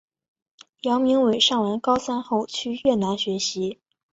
姚明伟上完高三后去越南学习。